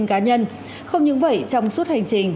không những vậy trong suốt hành trình